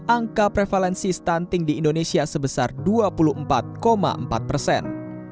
angka prevalensi stunting di indonesia sebesar dua puluh empat empat persen